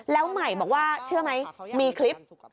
แล้วใหม่บอกว่าเชื่อไหมมีคลิป